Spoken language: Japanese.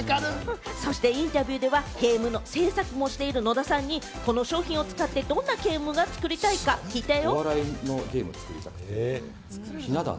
そしてインタビューではゲームの制作もしている野田さんに、この商品を使って、どんなゲームが作りたいか聞いたよ。